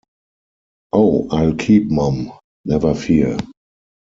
Oh, I'll keep mum, never fear.